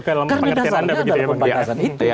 karena dasarnya adalah pembatasan itu